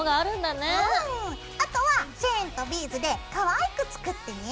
あとはチェーンとビーズでかわいく作ってね。